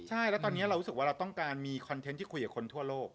ใช่แล้วตอนนี้เรารู้สึกว่าเราต้องการมีคอนเทนต์ที่คุยกับคนทั่วโลก